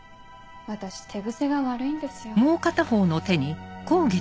私手癖が悪いんですよ。は？